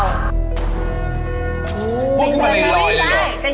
พูดมาเลยรอยเลยเหรอ